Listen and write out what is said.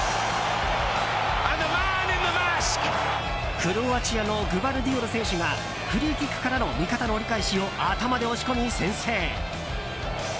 クロアチアのグヴァルディオル選手がフリーキックからの味方の折り返しを頭で押し込み先制。